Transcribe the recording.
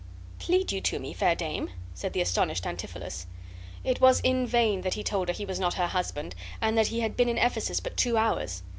"Plead you to me, fair dame?" said the astonished Antipholus. It was in vain he told her he was not her husband and that he had been in Ephesus but two hours.